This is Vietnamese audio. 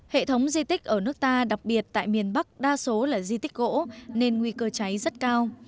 hệ thống di tích ở nước ta đặc biệt tại miền bắc đa số là di tích gỗ nên nguy cơ cháy rất cao